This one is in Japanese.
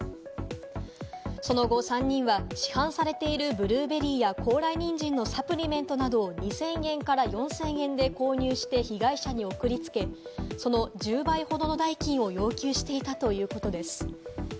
その後、３人は市販されているブルーベリーや高麗ニンジンのサプリメントなどを２０００円から４０００円で購入して被害者に送りつけ、その１０倍ほどの代金を要求していたということです。